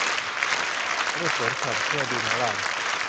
เขาไปสวนสัตว์เพื่อดูม้าลาย